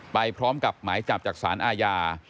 ไปพร้อมกับหมายจับจากสารอาญา